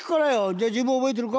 じゃあ自分覚えてるか？